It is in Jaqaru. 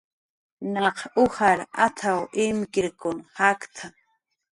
"Naq ujar at""w imkirkun yakt""a"